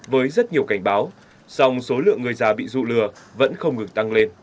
với rất nhiều cảnh báo song số lượng người già bị dụ lừa vẫn không ngừng tăng lên